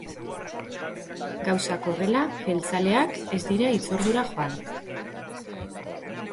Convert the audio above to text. Gauzak horrela, jeltzaleak ez dira hitzordura joan.